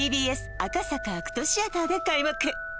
ＴＢＳ赤坂ＡＣＴシアターで開幕